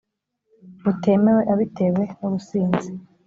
butemewe abitewe n’ubusinzi